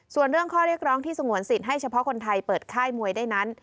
ส่วนเรื่องข้อเรียกร้องที่สงวนสิทธิ์ให้เฉพาะคนไทยเปิดค่ายมวยได้นั้น